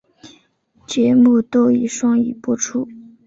节目多以双语播出。